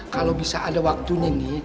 kalau bisa ada waktunya nih